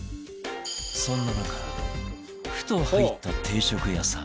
そんな中ふと入った定食屋さん